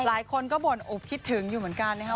หลายคนก็บ่นอกคิดถึงอยู่เหมือนกันนะครับ